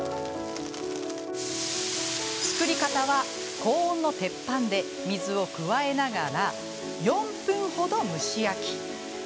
作り方は、高温の鉄板で水を加えながら４分程、蒸し焼き。